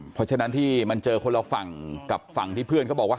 เพราะฉะนั้นที่มันเจอคนละฝั่งกับฝั่งที่เพื่อนเขาบอกว่า